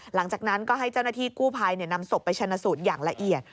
หลังจากนั้นก็ให้เจ้าหน้าที่กู้ภัยนำศพไปชนะสูตรอย่างละเอียด